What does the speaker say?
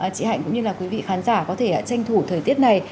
chị hạnh cũng như là quý vị khán giả có thể tranh thủ thời tiết này